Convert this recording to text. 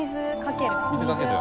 お水かける。